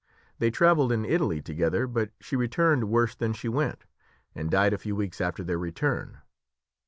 They travelled in Italy together but she returned worse than she went, and died a few weeks after their return.